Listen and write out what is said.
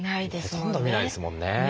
ほとんど見ないですもんね。